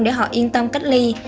để họ yên tâm cách ly